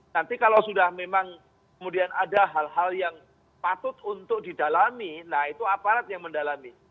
nanti kalau sudah memang kemudian ada hal hal yang patut untuk didalami nah itu aparat yang mendalami